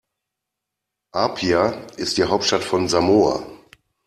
Apia ist die Hauptstadt von Samoa.